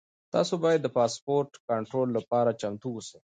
تاسو باید د پاسپورټ کنټرول لپاره چمتو اوسئ.